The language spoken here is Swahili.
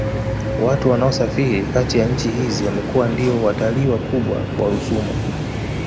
Watu wanaosafiri Kati ya nchi hizi wamekuwa ndiyo watalii wakubwa wa rusumo